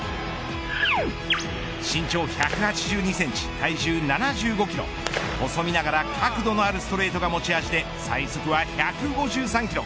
身長１８２センチ、体重７５キロ細身ながら角度のあるストレートが持ち味で最速は１５３キロ。